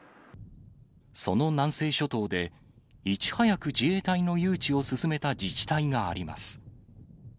その南西諸島で、いち早く自衛隊の誘致を進めた自治体があります。